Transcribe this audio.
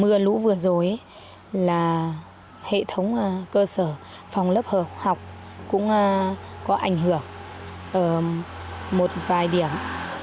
qua cái lũ vừa rồi là hệ thống cơ sở phòng lớp học cũng có ảnh hưởng một vài điểm